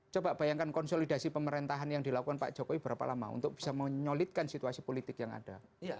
coba bayangkan konsolidasi pemerintahan yang dilakukan pak jokowi berapa lama untuk bisa menyolidkan situasi politik yang ada